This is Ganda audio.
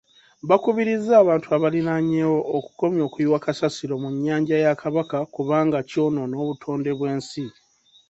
Bakubirizza abantu abalinanyewo okukomya okuyiwa kasasiro mu nnyanja ya Kabaka kubanga kyonoona obutonde bw'ensi.